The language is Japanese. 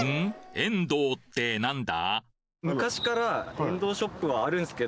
エンドーって何だ？